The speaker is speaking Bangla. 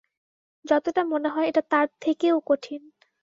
যতটা মনে হয় এটা তার থেকেও কঠিন।